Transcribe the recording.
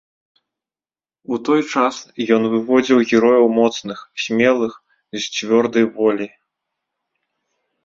У той час ён выводзіў герояў моцных, смелых, з цвёрдаю воляй.